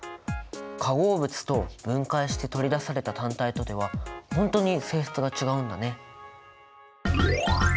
化合物と分解して取り出された単体とでは本当に性質が違うんだね。